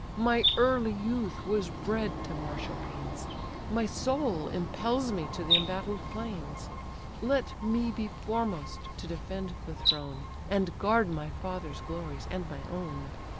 My early youth was bred to martial pains, My soul impels me to the embattled plains! Let me be foremost to defend the throne, And guard my father's glories, and my own.